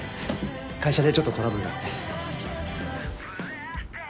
会社でちょっとトラブルがあって。